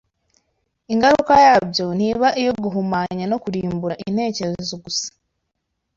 Ingaruka yabyo ntiba iyo guhumanya no kurimbura intekerezo gusa